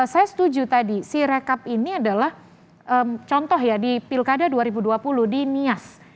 saya setuju tadi si rekap ini adalah contoh ya di pilkada dua ribu dua puluh di nias